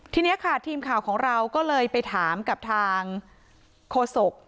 ทีนี้ค่ะทีมข่าวของเราก็เลยไปถามกับทางโฆษก